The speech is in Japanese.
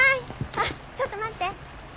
あっちょっと待って。